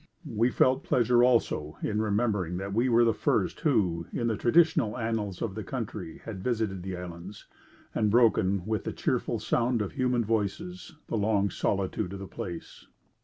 We felt pleasure also in remembering that we were the first who, in the traditionary annals of the country, had visited the islands, and broken, with the cheerful sound of human voices, the long solitude of the place.